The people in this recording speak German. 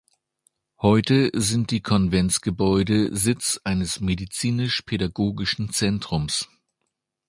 Heute sind die Konventsgebäude Sitz eines Medizinisch-Pädagogischen Zentrums.